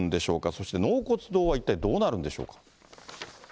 そして、納骨堂は一体、どうなるんでしょうか。